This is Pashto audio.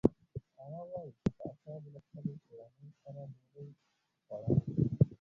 هغه وايي چې پاچا به له خپلې کورنۍ سره ډوډۍ خوړه.